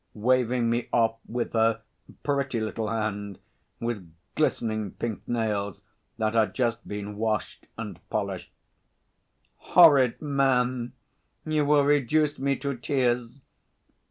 waving me off with her pretty little hand with glistening pink nails that had just been washed and polished. "Horrid man! You will reduce me to tears!